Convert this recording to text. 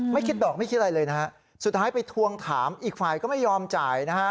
คิดดอกไม่คิดอะไรเลยนะฮะสุดท้ายไปทวงถามอีกฝ่ายก็ไม่ยอมจ่ายนะฮะ